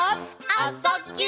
「あ・そ・ぎゅ」